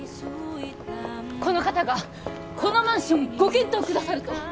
この方がこのマンションご検討くださると！